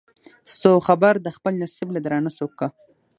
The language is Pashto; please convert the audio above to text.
سو خبر د خپل نصیب له درانه سوکه